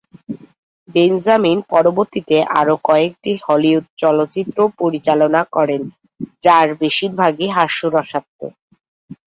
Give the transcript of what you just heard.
Benjamin পরবর্তীতে আরও কয়েকটি হলিউড চলচ্চিত্র পরিচালনা করেন, যার বেশিরভাগই হাস্যরসাত্মক।